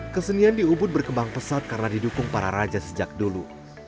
kesenian di ubud berkembang pesat karena didukung para raja sejak dulu